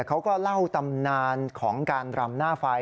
เขาก็เล่าตำนานของการรำหน้าไฟ